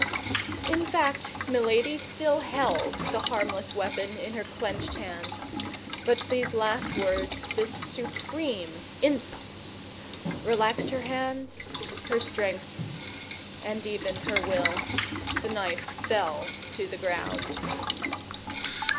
In fact, Milady still held the harmless weapon in her clenched hand; but these last words, this supreme insult, relaxed her hands, her strength, and even her will. The knife fell to the ground.